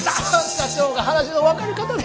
社長が話の分かる方で。